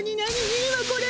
いいわこれ！